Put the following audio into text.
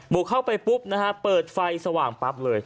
เข้าไปปุ๊บนะฮะเปิดไฟสว่างปั๊บเลย